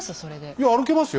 いや歩けますよ？